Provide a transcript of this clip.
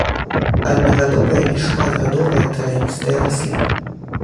Аднагадовыя і шматгадовыя травяністыя расліны.